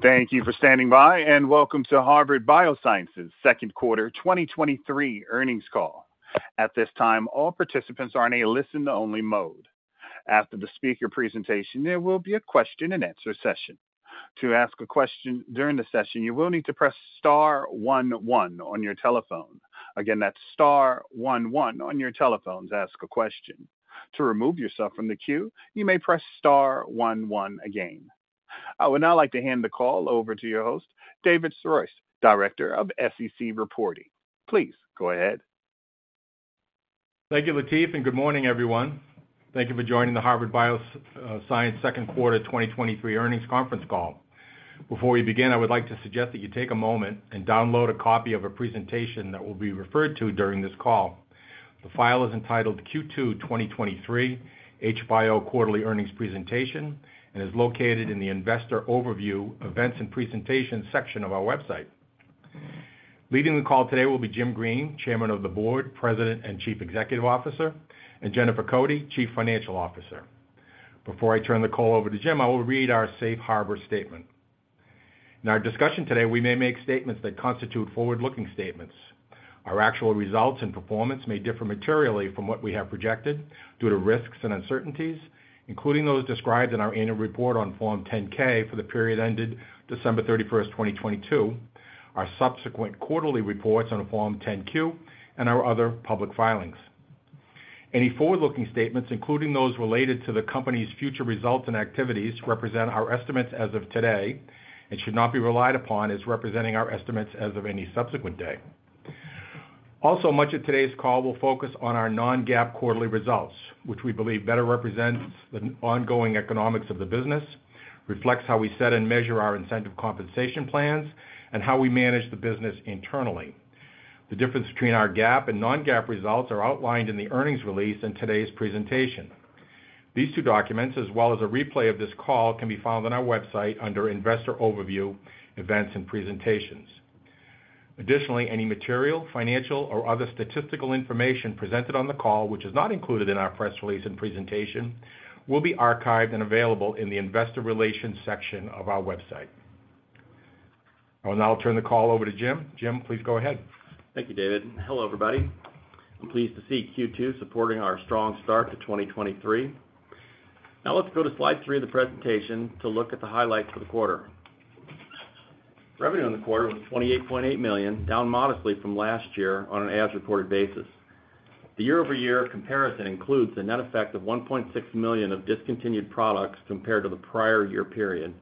Thank you for standing by, welcome to Harvard Bioscience's second quarter 2023 earnings call. At this time, all participants are in a listen-only mode. After the speaker presentation, there will be a question-and-answer session. To ask a question during the session, you will need to press star one one on your telephone. Again, that's star one one on your telephone to ask a question. To remove yourself from the queue, you may press star one one again. I would now like to hand the call over to your host, Dave Sirois, Director of SEC Reporting. Please go ahead. Thank you, Latif, and good morning, everyone. Thank you for joining the Harvard Bioscience second quarter 2023 earnings conference call. Before we begin, I would like to suggest that you take a moment and download a copy of a presentation that will be referred to during this call. The file is entitled Q2 2023 HBIO Quarterly Earnings Presentation and is located in the Investor Overview Events and Presentations section of our website. Leading the call today will be Jim Green, Chairman of the Board, President, and Chief Executive Officer, and Jennifer Cote, Chief Financial Officer. Before I turn the call over to Jim, I will read our safe harbor statement. In our discussion today, we may make statements that constitute forward-looking statements. Our actual results and performance may differ materially from what we have projected due to risks and uncertainties, including those described in our annual report on Form 10-K for the period ended December 31st, 2022, our subsequent quarterly reports on Form 10-Q, and our other public filings. Any forward-looking statements, including those related to the company's future results and activities, represent our estimates as of today and should not be relied upon as representing our estimates as of any subsequent day. Also, much of today's call will focus on our non-GAAP quarterly results, which we believe better represents the ongoing economics of the business, reflects how we set and measure our incentive compensation plans, and how we manage the business internally. The difference between our GAAP and non-GAAP results are outlined in the earnings release in today's presentation. These two documents, as well as a replay of this call, can be found on our website under Investor Overview, Events and Presentations. Additionally, any material, financial, or other statistical information presented on the call, which is not included in our press release and presentation, will be archived and available in the Investor Relations section of our website. I will now turn the call over to Jim. Jim, please go ahead. Thank you, Dave. Hello, everybody. I'm pleased to see Q2 supporting our strong start to 2023. Now let's go to slide three of the presentation to look at the highlights for the quarter. Revenue in the quarter was $28.8 million, down modestly from last year on an as-reported basis. The year-over-year comparison includes the net effect of $1.6 million of discontinued products compared to the prior year period.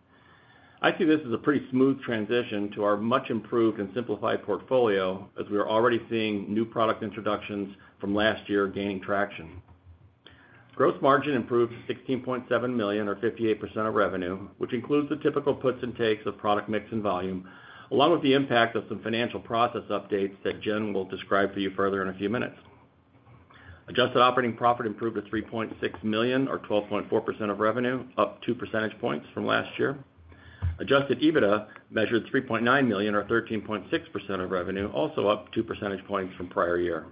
I see this as a pretty smooth transition to our much improved and simplified portfolio, as we are already seeing new product introductions from last year gaining traction. Gross margin improved to $16.7 million, or 58% of revenue, which includes the typical puts and takes of product mix and volume, along with the impact of some financial process updates that Jen will describe for you further in a few minutes. Adjusted operating profit improved to $3.6 million, or 12.4% of revenue, up 2 percentage points from last year. Adjusted EBITDA measured $3.9 million, or 13.6% of revenue, also up 2 percentage points from prior year.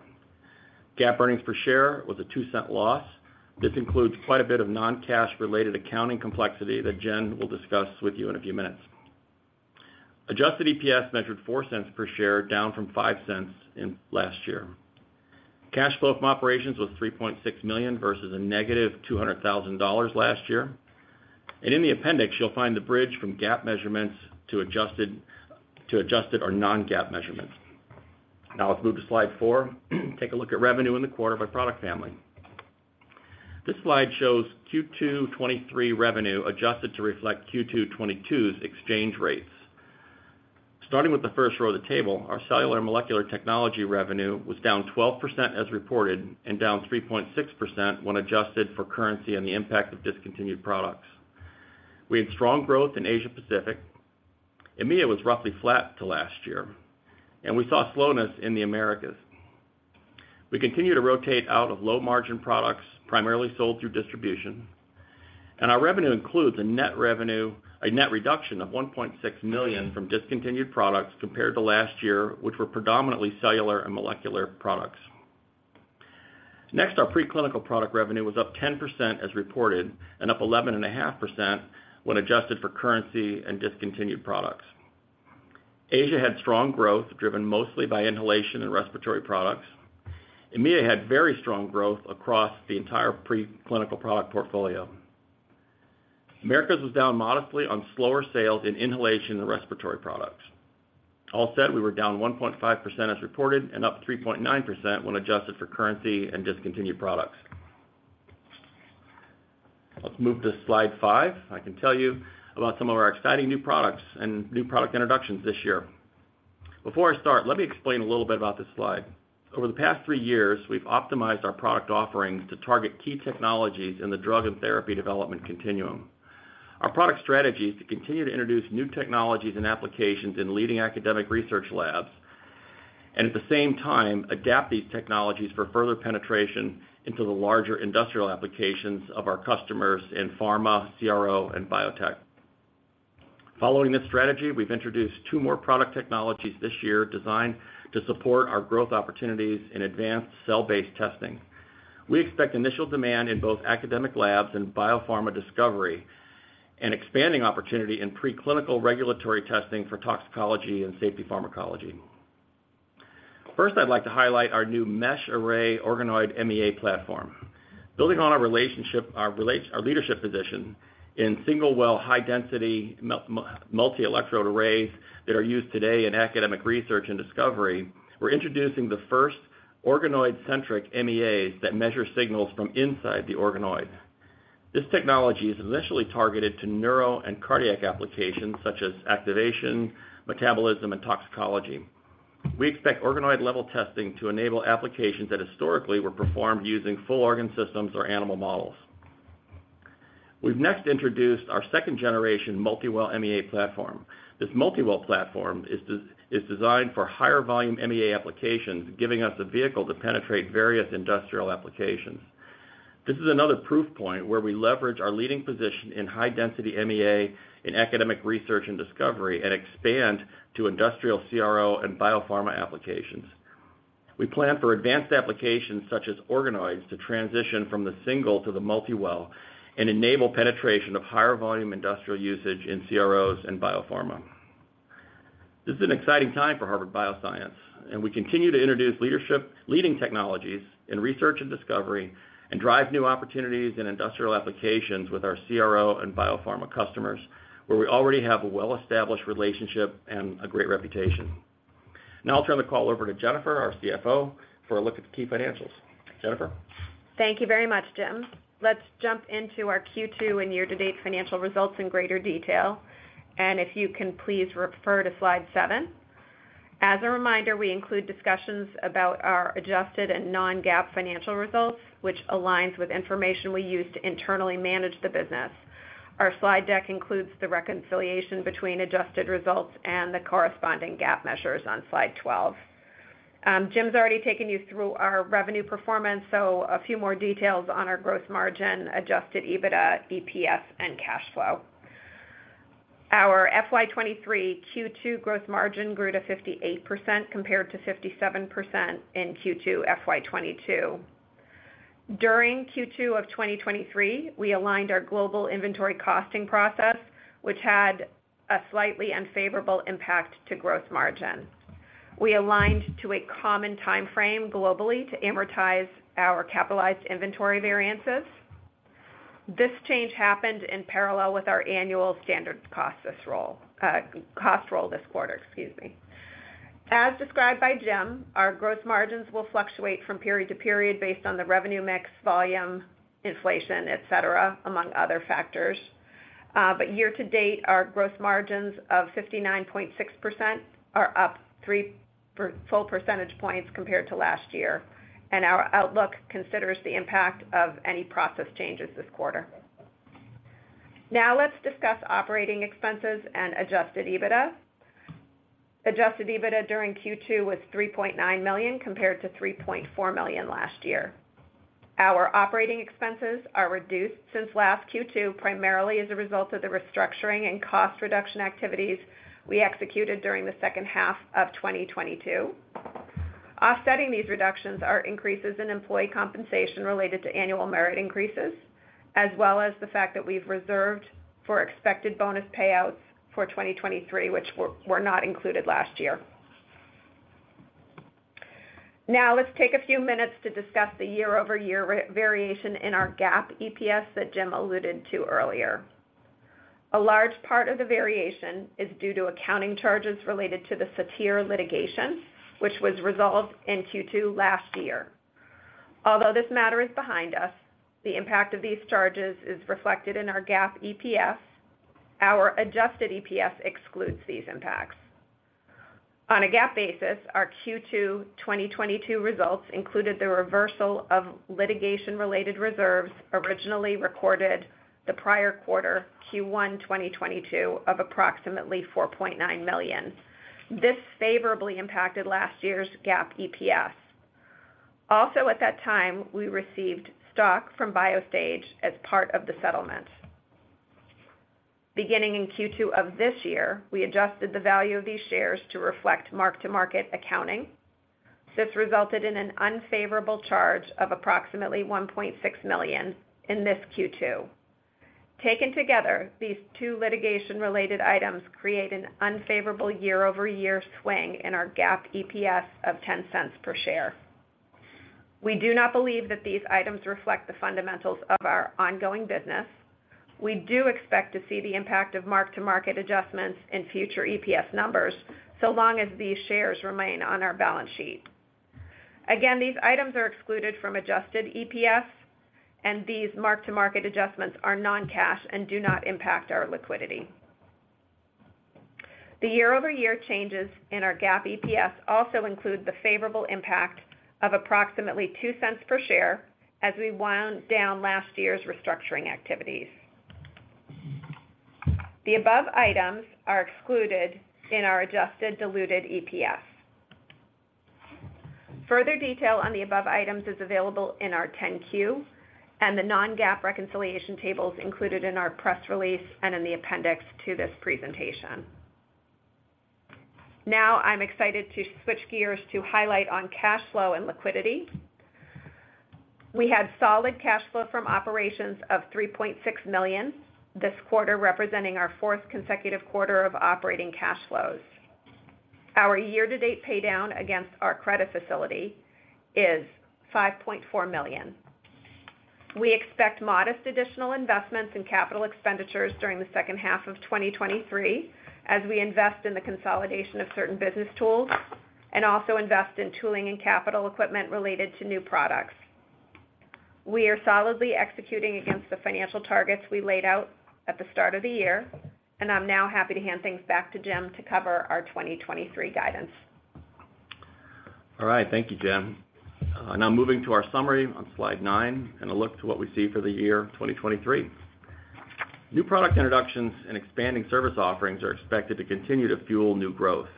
GAAP earnings per share was a $0.02 loss. This includes quite a bit of non-cash related accounting complexity that Jen will discuss with you in a few minutes. Adjusted EPS measured $0.04 per share, down from $0.05 in last year. Cash flow from operations was $3.6 million versus a -$200,000 last year. In the appendix, you'll find the bridge from GAAP measurements to adjusted or non-GAAP measurements. Now, let's move to slide four. Take a look at revenue in the quarter by product family. This slide shows Q2 2023 revenue, adjusted to reflect Q2 2022's exchange rates. Starting with the first row of the table, our cellular and molecular technology revenue was down 12% as reported and down 3.6% when adjusted for currency and the impact of discontinued products. We had strong growth in Asia Pacific. EMEA was roughly flat to last year. We saw slowness in the Americas. We continue to rotate out of low-margin products, primarily sold through distribution. Our revenue includes a net reduction of $1.6 million from discontinued products compared to last year, which were predominantly cellular and molecular products. Next, our preclinical product revenue was up 10% as reported, up 11.5% when adjusted for currency and discontinued products. Asia had strong growth, driven mostly by inhalation and respiratory products. EMEA had very strong growth across the entire preclinical product portfolio. Americas was down modestly on slower sales in inhalation and respiratory products. All said, we were down 1.5% as reported and up 3.9% when adjusted for currency and discontinued products. Let's move to slide five. I can tell you about some of our exciting new products and new product introductions this year. Before I start, let me explain a little bit about this slide. Over the past three years, we've optimized our product offerings to target key technologies in the drug and therapy development continuum. Our product strategy is to continue to introduce new technologies and applications in leading academic research labs, and at the same time, adapt these technologies for further penetration into the larger industrial applications of our customers in pharma, CRO, and biotech. Following this strategy, we've introduced two more product technologies this year designed to support our growth opportunities in advanced cell-based testing. We expect initial demand in both academic labs and biopharma discovery, and expanding opportunity in preclinical regulatory testing for toxicology and safety pharmacology. First, I'd like to highlight our new Mesh MEA organoid platform. Building on our relationship, our leadership position in single-well, high-density multielectrode arrays that are used today in academic research and discovery, we're introducing the first organoid-centric MEAs that measure signals from inside the organoid. This technology is initially targeted to neuro and cardiac applications, such as activation, metabolism, and toxicology. We expect organoid-level testing to enable applications that historically were performed using full organ systems or animal models. We've next introduced our second-generation multi-well MEA platform. This multi-well platform is designed for higher volume MEA applications, giving us a vehicle to penetrate various industrial applications. This is another proof point where we leverage our leading position in high-density MEA in academic research and discovery and expand to industrial CRO and biopharma applications. We plan for advanced applications, such as organoids, to transition from the single to the multi-well and enable penetration of higher volume industrial usage in CROs and biopharma. This is an exciting time for Harvard Bioscience, we continue to introduce leading technologies in research and discovery and drive new opportunities in industrial applications with our CRO and biopharma customers, where we already have a well-established relationship and a great reputation. Now I'll turn the call over to Jennifer, our CFO, for a look at the key financials. Jennifer? Thank you very much, Jim. Let's jump into our Q2 and year-to-date financial results in greater detail. If you can, please refer to slide seven. As a reminder, we include discussions about our adjusted and non-GAAP financial results, which aligns with information we use to internally manage the business. Our slide deck includes the reconciliation between adjusted results and the corresponding GAAP measures on slide 12. Jim's already taken you through our revenue performance. A few more details on our gross margin, adjusted EBITDA, EPS, and cash flow. Our FY 2023 Q2 gross margin grew to 58%, compared to 57% in Q2 FY 2022. During Q2 of 2023, we aligned our global inventory costing process, which had a slightly unfavorable impact to gross margin. We aligned to a common time frame globally to amortize our capitalized inventory variances. This change happened in parallel with our annual standard cost cost roll this quarter, excuse me. As described by Jim, our gross margins will fluctuate from period to period based on the revenue mix, volume, inflation, et cetera, among other factors. Year to date, our gross margins of 59.6% are up three full percentage points compared to last year, and our outlook considers the impact of any process changes this quarter. Now let's discuss operating expenses and adjusted EBITDA. Adjusted EBITDA during Q2 was $3.9 million, compared to $3.4 million last year. Our operating expenses are reduced since last Q2, primarily as a result of the restructuring and cost reduction activities we executed during the second half of 2022. Offsetting these reductions are increases in employee compensation related to annual merit increases, as well as the fact that we've reserved for expected bonus payouts for 2023, which were not included last year. Let's take a few minutes to discuss the year-over-year variation in our GAAP EPS that Jim alluded to earlier. A large part of the variation is due to accounting charges related to the Sater litigation, which was resolved in Q2 last year. This matter is behind us, the impact of these charges is reflected in our GAAP EPS. Our adjusted EPS excludes these impacts. On a GAAP basis, our Q2 2022 results included the reversal of litigation-related reserves originally recorded the prior quarter, Q1 2022, of approximately $4.9 million. This favorably impacted last year's GAAP EPS. At that time, we received stock from Biostage as part of the settlement. Beginning in Q2 of this year, we adjusted the value of these shares to reflect mark-to-market accounting. This resulted in an unfavorable charge of approximately $1.6 million in this Q2. Taken together, these two litigation-related items create an unfavorable year-over-year swing in our GAAP EPS of $0.10 per share. We do not believe that these items reflect the fundamentals of our ongoing business. We do expect to see the impact of mark-to-market adjustments in future EPS numbers, so long as these shares remain on our balance sheet. Again, these items are excluded from adjusted EPS, and these mark-to-market adjustments are non-cash and do not impact our liquidity. The year-over-year changes in our GAAP EPS also include the favorable impact of approximately $0.02 per share as we wound down last year's restructuring activities. The above items are excluded in our adjusted diluted EPS. Further detail on the above items is available in our 10-Q. The non-GAAP reconciliation table is included in our press release and in the appendix to this presentation. I'm excited to switch gears to highlight on cash flow and liquidity. We had solid cash flow from operations of $3.6 million this quarter, representing our fourth consecutive quarter of operating cash flows. Our year-to-date paydown against our credit facility is $5.4 million. We expect modest additional investments in capital expenditures during the second half of 2023, as we invest in the consolidation of certain business tools and also invest in tooling and capital equipment related to new products. We are solidly executing against the financial targets we laid out at the start of the year. I'm now happy to hand things back to Jim to cover our 2023 guidance. All right. Thank you, Jen. Now moving to our summary on Slide 9 and a look to what we see for the year 2023. New product introductions and expanding service offerings are expected to continue to fuel new growth.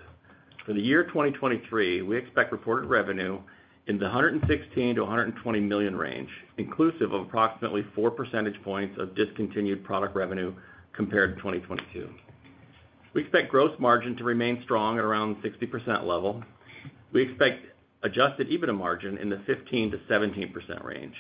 For the year 2023, we expect reported revenue in the $116 million-$120 million range, inclusive of approximately 4 percentage points of discontinued product revenue compared to 2022. We expect gross margin to remain strong at around 60% level. We expect adjusted EBITDA margin in the 15%-17% range.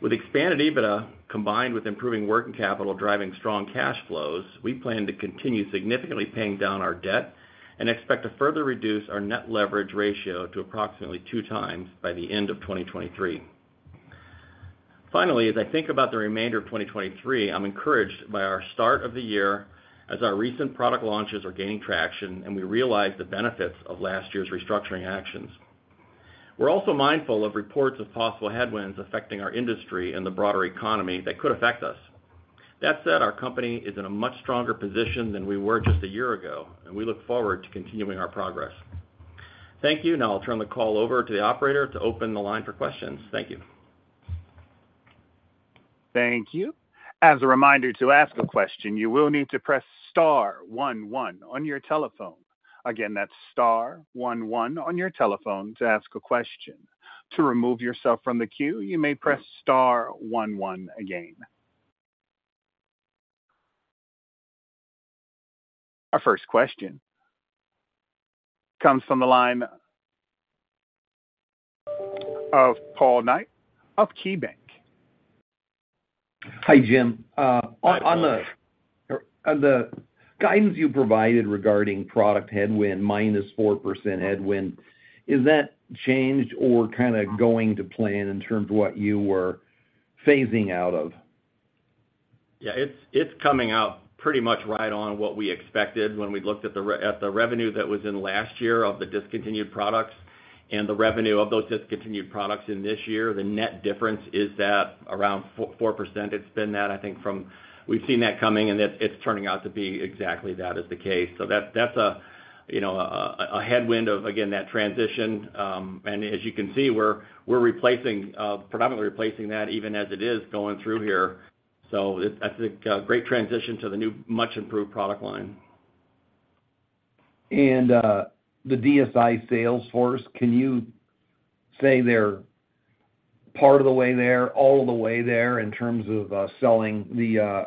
With expanded EBITDA, combined with improving working capital, driving strong cash flows, we plan to continue significantly paying down our debt and expect to further reduce our net leverage ratio to approximately two times by the end of 2023. As I think about the remainder of 2023, I'm encouraged by our start of the year as our recent product launches are gaining traction, and we realize the benefits of last year's restructuring actions. We're also mindful of reports of possible headwinds affecting our industry and the broader economy that could affect us. That said, our company is in a much stronger position than we were just a year ago, and we look forward to continuing our progress. Thank you. Now I'll turn the call over to the operator to open the line for questions. Thank you. Thank you. As a reminder, to ask a question, you will need to press star one, one on your telephone. Again, that's star one, one on your telephone to ask a question. To remove yourself from the queue, you may press star one, one again. Our first question comes from the line of Paul Knight, of KeyBanc. Hi, Jim. Hi, Paul. On the guidance you provided regarding product headwind, minus 4% headwind, is that changed or kind of going to plan in terms of what you were phasing out of? Yeah, it's, it's coming out pretty much right on what we expected when we looked at the revenue that was in last year of the discontinued products and the revenue of those discontinued products in this year. The net difference is that around 4, 4%. It's been that, I think, from... We've seen that coming, and it, it's turning out to be exactly that is the case. That, that's a, you know, a, a headwind of, again, that transition. As you can see, we're, we're replacing, predominantly replacing that even as it is going through here. It's, that's a, great transition to the new, much improved product line. The DSI sales force, can you say they're part of the way there, all the way there, in terms of selling the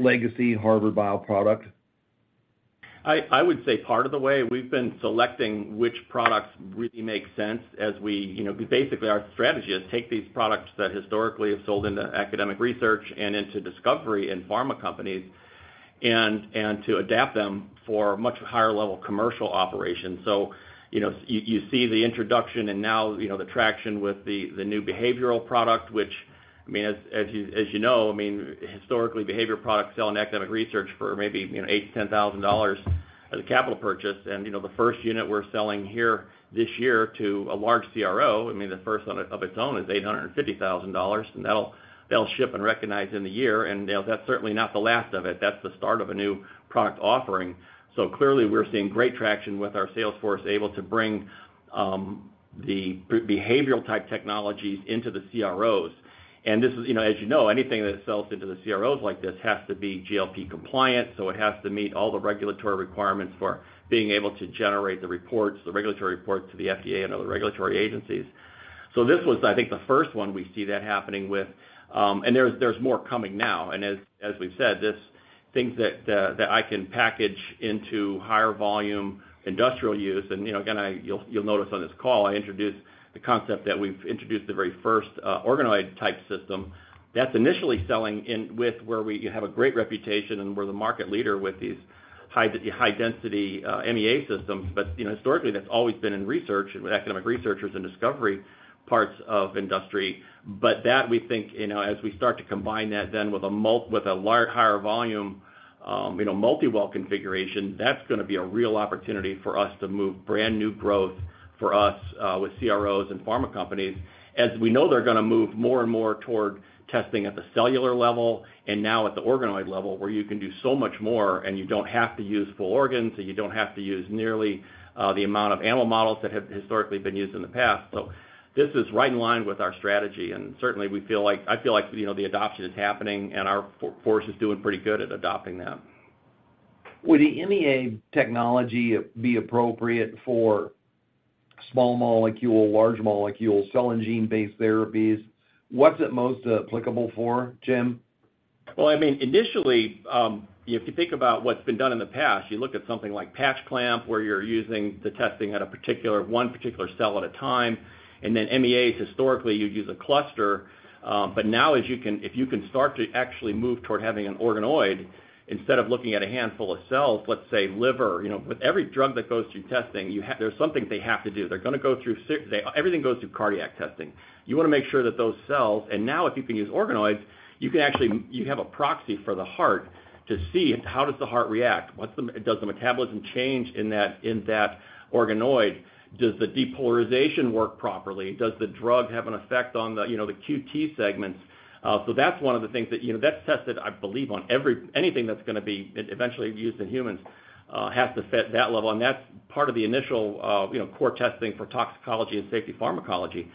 legacy Harvard BioProduct? I would say part of the way we've been selecting which products really make sense as we, you know, basically, our strategy is take these products that historically have sold into academic research and into discovery in pharma companies, and to adapt them for much higher level commercial operations. You know, you see the introduction and now, you know, the traction with the new behavioral product, which, I mean, as you know, I mean, historically, behavior products sell in academic research for maybe, you know, $8,000-$10,000 as a capital purchase. You know, the first unit we're selling here this year to a large CRO, I mean, the first on it, of its own, is $850,000, and that'll ship and recognize in the year, and that's certainly not the last of it. That's the start of a new product offering. Clearly, we're seeing great traction with our sales force, able to bring the behavioral type technologies into the CROs. This is, you know, as you know, anything that sells into the CROs like this has to be GLP compliant, so it has to meet all the regulatory requirements for being able to generate the reports, the regulatory reports to the FDA and other regulatory agencies. This was, I think, the first one we see that happening with, and there's, there's more coming now. As, as we've said, this, things that, that I can package into higher volume industrial use. You know, again, I... You'll, you'll notice on this call, I introduced the concept that we've introduced the very first organoid-type system that's initially selling in with where we have a great reputation, and we're the market leader with these high-density MEA systems. You know, historically, that's always been in research with academic researchers and discovery parts of industry. That, we think, you know, as we start to combine that then with a large, higher volume, you know, multi-well configuration, that's going to be a real opportunity for us to move brand new growth for us, with CROs and pharma companies, as we know they're going to move more and more toward testing at the cellular level and now at the organoid level, where you can do so much more, and you don't have to use full organs, and you don't have to use nearly, the amount of animal models that have historically been used in the past. This is right in line with our strategy, and certainly, we feel like, I feel like, you know, the adoption is happening, and our force is doing pretty good at adopting that. Would the MEA technology be appropriate for... small molecule, large molecule, cell and gene-based therapies? What's it most applicable for, Jim? Well, I mean, initially, if you think about what's been done in the past, you look at something like patch clamp, where you're using the testing at a particular, one particular cell at a time, and then MEAs, historically, you'd use a cluster. Now as you can, if you can start to actually move toward having an organoid, instead of looking at a handful of cells, let's say liver, you know, with every drug that goes through testing, you have, there's something they have to do. They're going to go through six, everything goes through cardiac testing. You want to make sure that those cells, and now, if you can use organoids, you can actually, you have a proxy for the heart to see how does the heart react? What's the, does the metabolism change in that, in that organoid? Does the depolarization work properly? Does the drug have an effect on the, you know, the QT interval? That's one of the things that, you know, that's tested, I believe, on anything that's going to be eventually used in humans, has to set that level, and that's part of the initial, you know, core testing for toxicology and safety pharmacology.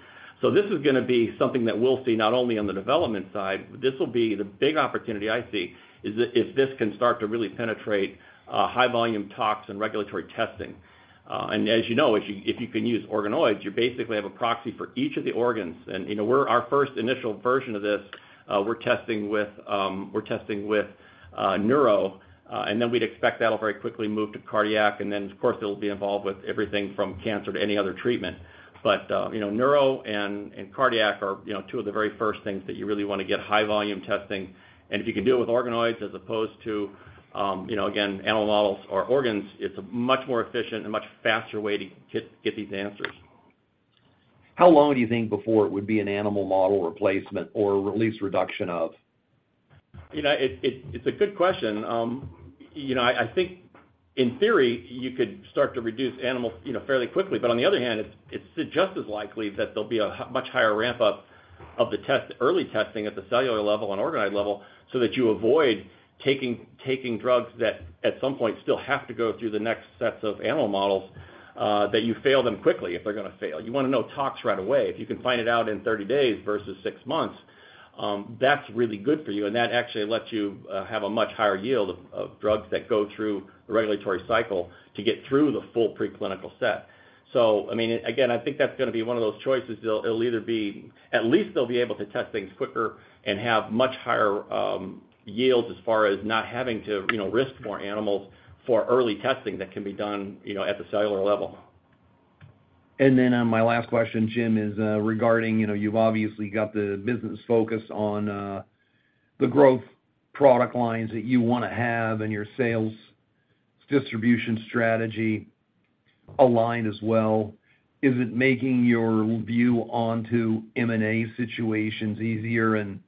This is going to be something that we'll see, not only on the development side, but this will be the big opportunity I see, is if, if this can start to really penetrate, high volume tox and regulatory testing. As you know, if you, if you can use organoids, you basically have a proxy for each of the organs. You know, our first initial version of this, we're testing with, we're testing with, neuro, and then we'd expect that'll very quickly move to cardiac, and then, of course, it'll be involved with everything from cancer to any other treatment. You know, neuro and, and cardiac are, you know, two of the very first things that you really want to get high volume testing. If you can do it with organoids, as opposed to, you know, again, animal models or organs, it's a much more efficient and much faster way to get, get these answers. How long do you think before it would be an animal model replacement or at least reduction of? You know, it, it, it's a good question. You know, I, I think in theory, you could start to reduce animals, you know, fairly quickly. But on the other hand, it's, it's just as likely that there'll be a much higher ramp-up of the test, early testing at the cellular level and organoid level, so that you avoid taking, taking drugs that, at some point, still have to go through the next sets of animal models, that you fail them quickly if they're going to fail. You want to know tox right away. If you can find it out in 30 days versus 6 months, that's really good for you, and that actually lets you have a much higher yield of, of drugs that go through the regulatory cycle to get through the full preclinical set. I mean, again, I think that's going to be one of those choices. It'll, it'll either be. At least they'll be able to test things quicker and have much higher yields as far as not having to, you know, risk more animals for early testing that can be done, you know, at the cellular level. Then, my last question, Jim, is regarding, you know, you've obviously got the business focus on the growth product lines that you want to have and your sales distribution strategy aligned as well. Is it making your view onto M&A situations easier, and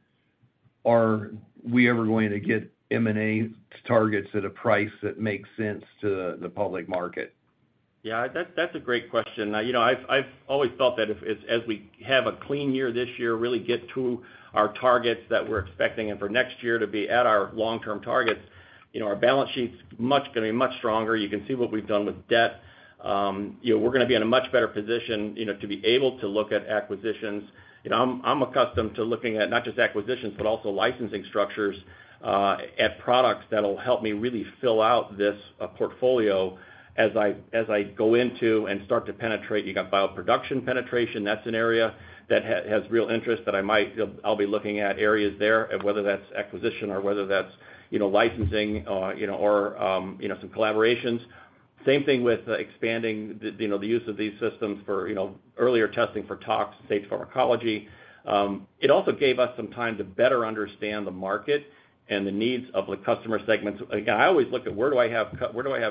are we ever going to get M&A targets at a price that makes sense to the public market? Yeah, that's, that's a great question. You know, I've, I've always felt that if, as, as we have a clean year this year, really get to our targets that we're expecting, and for next year to be at our long-term targets, you know, our balance sheet's much, going to be much stronger. You can see what we've done with debt. You know, we're going to be in a much better position, you know, to be able to look at acquisitions. You know, I'm, I'm accustomed to looking at not just acquisitions, but also licensing structures, at products that'll help me really fill out this portfolio as I, as I go into and start to penetrate. You got bioproduction penetration. That's an area that has real interest that I'll be looking at areas there, whether that's acquisition or whether that's, you know, licensing, you know, or, you know, some collaborations. Same thing with expanding the, you know, the use of these systems for, you know, earlier testing for tox, safety pharmacology. It also gave us some time to better understand the market and the needs of the customer segments. Again, I always look at where do I have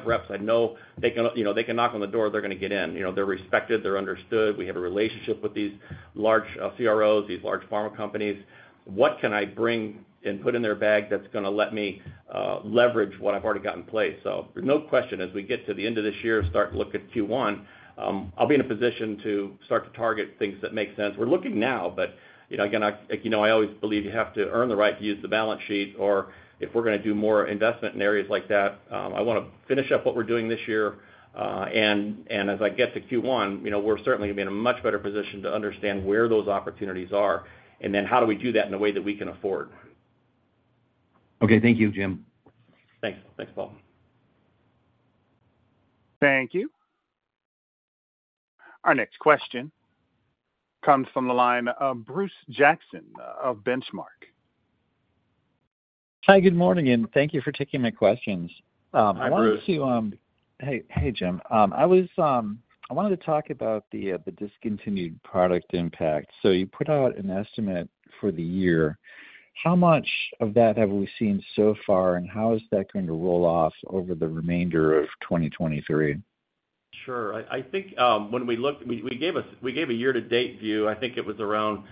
reps I know they can, you know, they can knock on the door, they're going to get in? You know, they're respected, they're understood. We have a relationship with these large CROs, these large pharma companies. What can I bring and put in their bag that's going to let me leverage what I've already got in place? There's no question, as we get to the end of this year, start to look at Q1, I'll be in a position to start to target things that make sense. We're looking now, but, you know, again, I, you know, I always believe you have to earn the right to use the balance sheet, or if we're going to do more investment in areas like that, I want to finish up what we're doing this year. And as I get to Q1, you know, we're certainly going to be in a much better position to understand where those opportunities are, and then how do we do that in a way that we can afford. Okay. Thank you, Jim. Thanks. Thanks, Paul. Thank you. Our next question comes from the line of Bruce Jackson of Benchmark. Hi, good morning, thank you for taking my questions. Hi, Bruce. Hey, hey, Jim. I wanted to talk about the discontinued product impact. You put out an estimate for the year. How much of that have we seen so far, and how is that going to roll off over the remainder of 2023? Sure. I think, when we looked, we gave a year-to-date view. I think it was around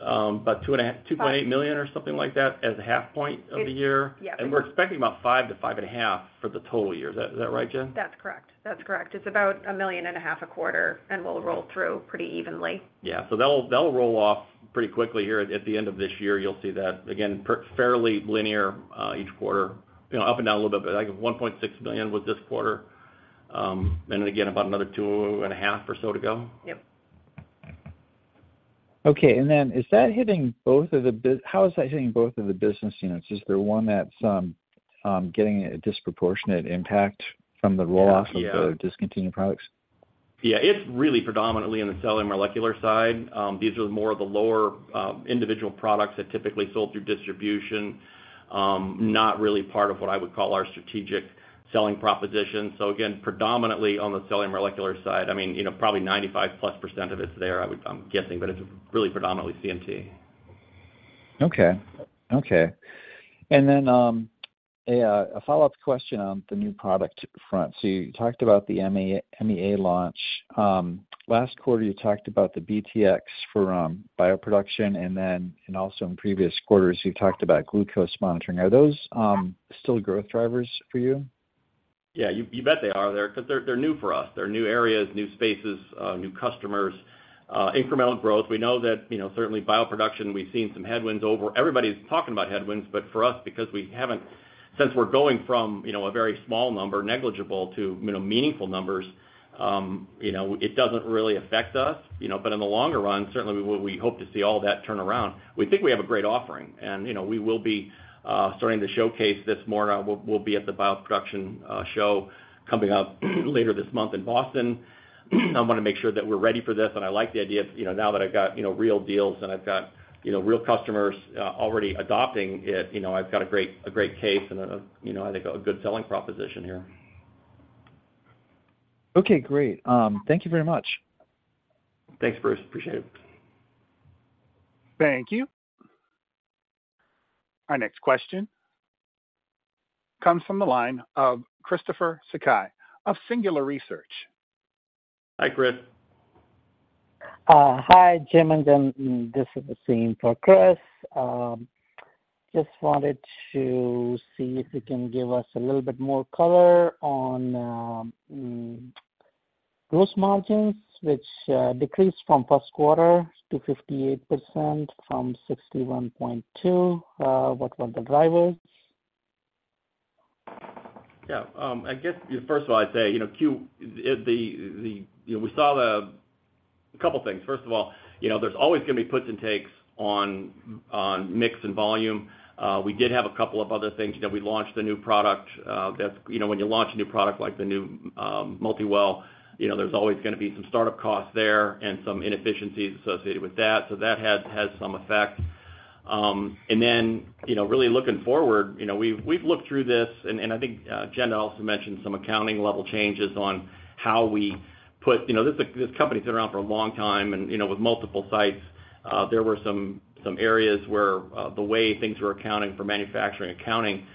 $2.5 million-$2.8 million or something like that, as a half point of the year. Yeah. We're expecting about $5-$5.5 for the total year. Is that, is that right, Jen? That's correct. That's correct. It's about $1.5 million a quarter, and will roll through pretty evenly. Yeah. That'll, that'll roll off pretty quickly here at, at the end of this year. You'll see that, again, per- fairly linear, each quarter, you know, up and down a little bit, but, like, $1.6 million was this quarter. And again, about another $2.5 million or so to go? Yep. Okay, and then is that hitting both of the bus- how is that hitting both of the business units? Is there one that's getting a disproportionate impact from the rollout- Yeah of the discontinued products? Yeah, it's really predominantly in the cellular and molecular side. These are more of the lower, individual products that typically sold through distribution. Mm-hmm. not really part of what I would call our strategic selling proposition. Again, predominantly on the cellular and molecular side, I mean, you know, probably 95%+ of it's there, I'm guessing, but it's really predominantly CMT. Okay. Okay. A follow-up question on the new product front. You talked about the MA- MEA launch. Last quarter, you talked about the BTX for bioproduction, and then, and also in previous quarters, you've talked about glucose monitoring. Are those still growth drivers for you? Yeah, you, you bet they are there, 'cause they're, they're new for us. They're new areas, new spaces, new customers, incremental growth. We know that, you know, certainly bioproduction, we've seen some headwinds over... Everybody's talking about headwinds, but for us, because we haven't -- since we're going from, you know, a very small number, negligible, to, you know, meaningful numbers, you know, it doesn't really affect us, you know. In the longer run, certainly, we, we hope to see all of that turn around. We think we have a great offering, and, you know, we will be, starting to showcase this more. We'll, we'll be at the bioproduction, show coming up later this month in Boston. I wanna make sure that we're ready for this, and I like the idea, you know, now that I've got, you know, real deals and I've got, you know, real customers, already adopting it, you know, I've got a great, a great case and, you know, I think a good selling proposition here. Okay, great. Thank you very much. Thanks, Bruce. Appreciate it. Thank you. Our next question comes from the line of Christopher Sakai of Singular Research. Hi, Chris. Hi, Jim, and then this is the same for Chris. Just wanted to see if you can give us a little bit more color on gross margins, which decreased from first quarter to 58% from 61.2%. What were the drivers? Yeah, I guess, first of all, I'd say, you know, a couple things. First of all, you know, there's always gonna be puts and takes on, on mix and volume. We did have a couple of other things. You know, we launched the new product, that, you know, when you launch a new product like the new, multi-well, you know, there's always gonna be some startup costs there and some inefficiencies associated with that. That had some effect. Then, you know, really looking forward, you know, we've, we've looked through this, and I think, Jen also mentioned some accounting-level changes on how we put... You know, this, this company's been around for a long time, and, you know, with multiple sites, there were some, some areas where the way things were accounted for manufacturing accounting,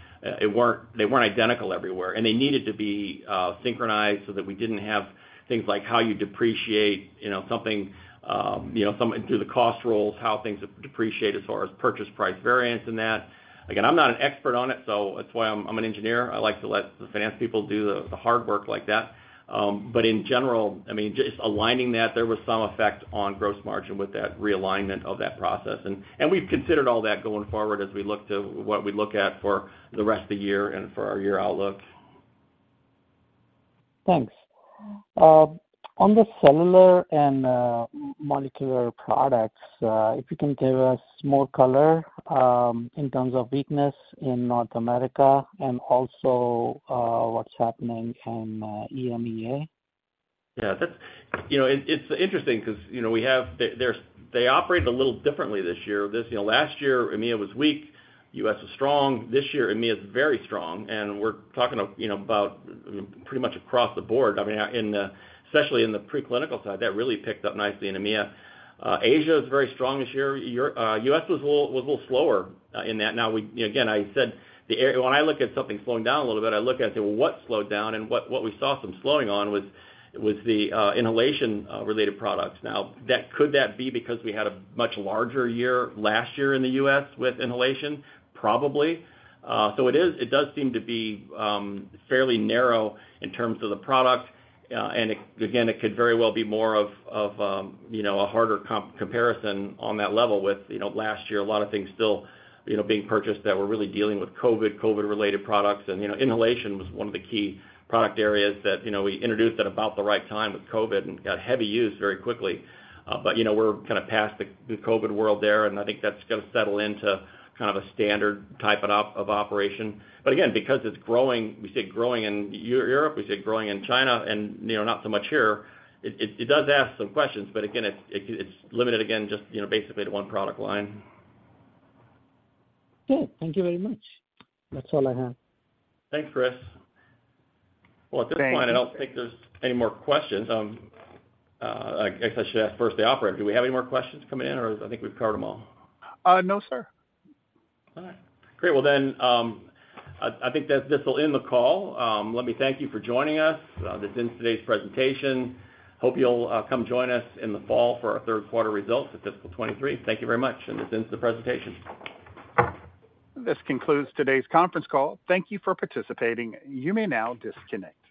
it weren't, they weren't identical everywhere, and they needed to be synchronized so that we didn't have things like how you depreciate, you know, something, through the cost roll, how things depreciate as far as purchase price variance and that. Again, I'm not an expert on it, so that's why I'm, I'm an engineer. I like to let the finance people do the, the hard work like that. In general, I mean, just aligning that, there was some effect on gross margin with that realignment of that process. And we've considered all that going forward as we look to what we look at for the rest of the year and for our year outlook. Thanks. On the cellular and molecular products, if you can give us more color, in terms of weakness in North America and also, what's happening in EMEA? Yeah, that's. You know, it's interesting because, you know, they operated a little differently this year. This, you know, last year, EMEA was weak, U.S. was strong. This year, EMEA is very strong, and we're talking of, you know, about, pretty much across the board. I mean, especially in the preclinical side, that really picked up nicely in EMEA. Asia is very strong this year. U.S. was a little slower in that. Now, we, again, I said when I look at something slowing down a little bit, I look at, well, what slowed down? What we saw some slowing on was the inhalation related products. Now, could that be because we had a much larger year last year in the U.S. with inhalation? Probably. So it is, it does seem to be fairly narrow in terms of the product, and it, again, it could very well be more of, of, you know, a harder comparison on that level with, you know, last year, a lot of things still, you know, being purchased that were really dealing with COVID, COVID-related products. You know, inhalation was one of the key product areas that, you know, we introduced at about the right time with COVID and got heavy use very quickly. But, you know, we're kind of past the, the COVID world there, and I think that's gonna settle into kind of a standard type of, of operation. Again, because it's growing, we see it growing in Europe, we see it growing in China and, you know, not so much here, it, it, it does ask some questions, but again, it's, it, it's limited again, just, you know, basically to one product line. Okay. Thank you very much. That's all I have. Thanks, Chris. Well, at this point, I don't think there's any more questions. I guess I should ask first the operator. Do we have any more questions coming in, or I think we've covered them all? No, sir. All right. Great. Well, I, I think that this will end the call. Let me thank you for joining us. This ends today's presentation. Hope you'll come join us in the fall for our third-quarter results of fiscal 2023. Thank you very much, and this ends the presentation. This concludes today's conference call. Thank you for participating. You may now disconnect.